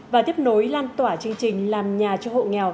và tiếp nối lan tỏa chương trình làm nhà cho hộ nghèo